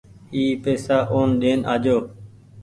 اي پئيسا اون ۮين آجو ۔